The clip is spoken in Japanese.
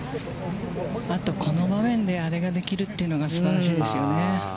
あとこの場面であれができるというのが、すばらしいですよね。